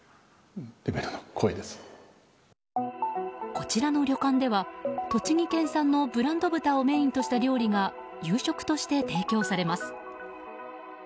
こちらの旅館では栃木県産のブランド豚をメインとした料理が夕食として提供されます。